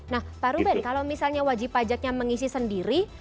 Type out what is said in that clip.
nah pak ruben kalau misalnya wajib pajaknya mengisi sendiri